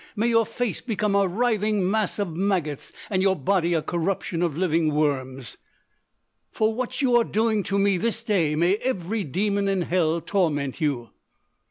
May your face become a writhing mass of maggots and your body a corruption of living worms! "For what you are doing to me this day may every demon in hell torment you!